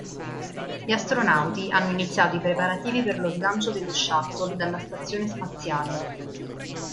Gli astronauti hanno iniziato i preparativi per lo sgancio dello Shuttle dalla stazione spaziale.